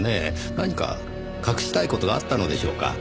何か隠したい事があったのでしょうか。